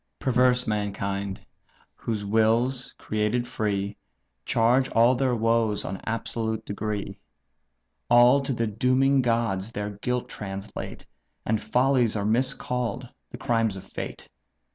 "Perverse mankind! whose wills, created free, Charge all their woes on absolute degree; All to the dooming gods their guilt translate, And follies are miscall'd the crimes of fate.